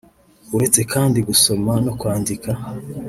uretse kandi gusoma no kwandika